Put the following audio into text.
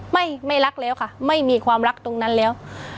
ไม่ไม่รักแล้วค่ะไม่มีความรักตรงนั้นแล้ว